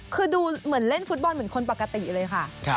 คือดูเหมือนเล่นฟุตบอลเหมือนคนปกติเลยค่ะ